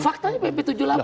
faktanya pp tujuh puluh delapan